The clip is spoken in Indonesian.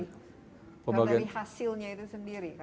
karena dari hasilnya itu sendiri